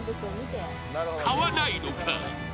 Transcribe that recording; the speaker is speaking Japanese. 買わないのか？